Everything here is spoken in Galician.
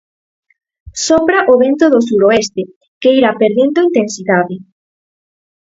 Sopra o vento do suroeste, que irá perdendo intensidade.